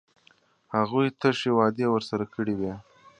هغوی تشې وعدې ورسره کړې وې.